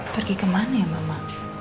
pergi kemana ya mama